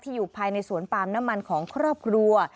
อยู่ภายในสวนปาล์มน้ำมันของครอบครัว